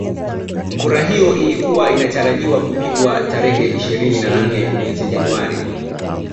Kura hiyo ilikuwa inatarajiwa kupigwa tarehe ishirini na nane mwezi Januari